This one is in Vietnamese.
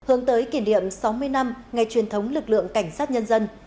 hướng tới kỷ niệm sáu mươi năm ngày truyền thống lực lượng cảnh sát nhân dân